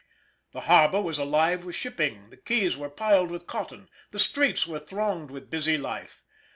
The harbour was alive with shipping, the quays were piled with cotton, the streets were thronged with busy life.